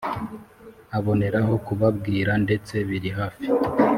aboneraho kubabwirako ndetse biri hafi